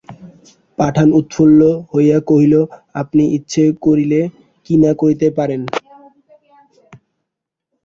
পাঠান উৎফুল্ল হইয়া কহিল, আপনি ইচ্ছা করিলে কী না করিতে পারেন।